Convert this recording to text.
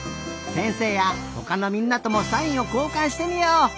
せんせいやほかのみんなともサインをこうかんしてみよう！